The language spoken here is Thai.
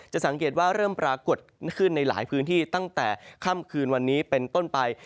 สังเกตว่าเริ่มปรากฏขึ้นในหลายพื้นที่ตั้งแต่ค่ำคืนวันนี้เป็นต้นไป